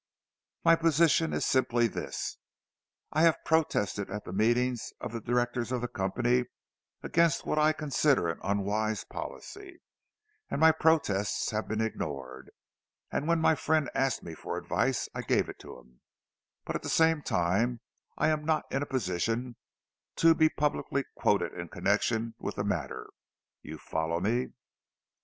My position is simply this: I have protested at the meetings of the directors of the company against what I consider an unwise policy—and my protests have been ignored. And when my friend asked me for advice, I gave it to him; but at the same time I am not in a position to be publicly quoted in connexion with the matter. You follow me?"